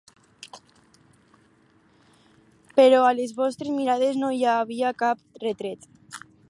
Però a les vostres mirades no hi havia cap retret.